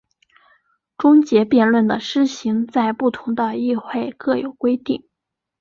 终结辩论的施行在不同的议会各有规定。